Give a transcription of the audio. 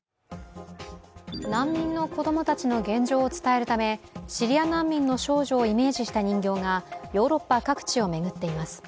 難民の子供たちの現状を伝えるためシリア難民の少女をイメージした人形がヨーロッパ各地を巡っています。